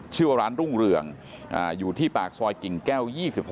ชื่อว่าร้านรุ่งเรืองอยู่ที่ปากซอยกิ่งแก้ว๒๖